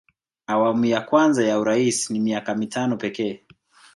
awamu ya kwanza ya urais ni miaka mitano pekee